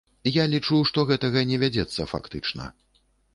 Я лічу, што гэтага не вядзецца фактычна.